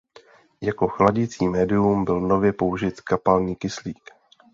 Jako chladicí médium byl nově použit kapalný kyslík.